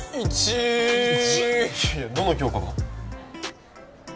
どの教科が？